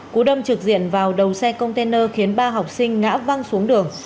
cú đâm trực diện vào đầu xe container khiến ba học sinh ngã văng xuống đường